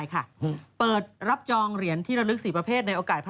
อย่าพูดคำนี้